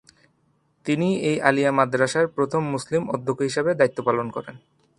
তিনিই এই আলিয়া মাদ্রাসার প্রথম মুসলিম অধ্যক্ষ হিসাবে দায়িত্ব পালন করেন।